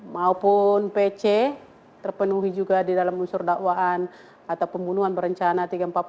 maupun pc terpenuhi juga di dalam unsur dakwaan atau pembunuhan berencana tiga ratus empat puluh